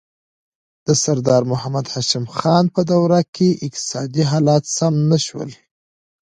د سردار محمد هاشم خان په دوره کې اقتصادي حالات سم نه شول.